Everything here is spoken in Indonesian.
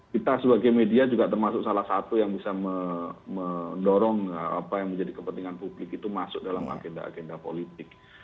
kita sebagai media juga termasuk salah satu yang bisa mendorong apa yang menjadi kepentingan publik itu masuk dalam agenda agenda politik